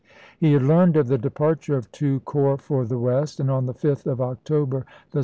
He had learned of the departure of two corps for the West, and on the 5th of October the im.